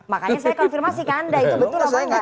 makanya saya konfirmasi ke anda itu betul apa enggak